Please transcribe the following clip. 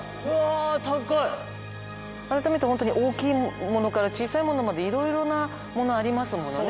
改めてホントに大きいものから小さいものまで色々なものありますものね。